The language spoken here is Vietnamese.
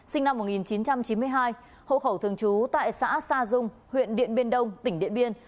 sinh năm một nghìn chín trăm chín mươi hai hộ khẩu thường trú tại xã sa dung huyện điện biên đông tỉnh điện biên